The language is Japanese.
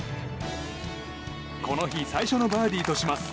この日最初のバーディーとします。